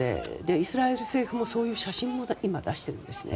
イスラエル政府もそういう写真を今、出しているんですね。